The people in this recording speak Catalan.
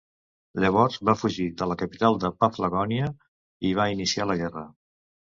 Llavors va fugir de la capital de Paflagònia i va iniciar la guerra.